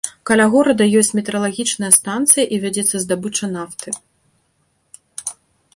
Каля горада ёсць метэаралагічная станцыя і вядзецца здабыча нафты.